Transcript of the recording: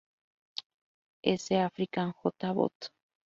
S. African J. Bot.